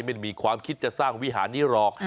ไม่มีความคิดจะสร้างวิหารนี้หรอก